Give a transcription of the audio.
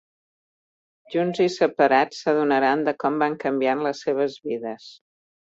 Junts i separats s'adonaran de com van canviant les seves vides.